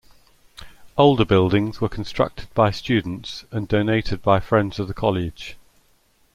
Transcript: Older buildings were constructed by students and donated by friends of the College.